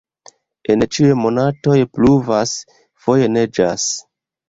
En ĉiuj monatoj pluvas, foje neĝas.